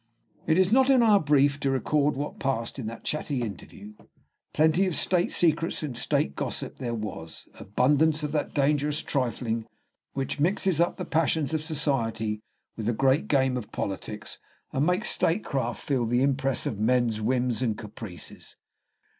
It is not "in our brief" to record what passed in that chatty interview; plenty of state secrets and state gossip there was, abundance of that dangerous trifling which mixes up the passions of society with the great game of politics, and makes statecraft feel the impress of men's whims and caprices.